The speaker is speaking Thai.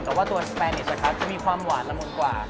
แต่ว่าตัวสแปนชะมีความหวานละมุมกว่า